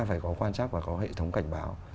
phải có quan trắc và có hệ thống cảnh báo